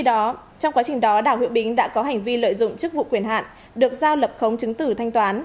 trong quá trình đó đào hữu bính đã có hành vi lợi dụng chức vụ quyền hạn được giao lập khống chứng tử thanh toán